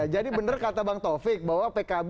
jadi benar kata bang taufik bahwa pkb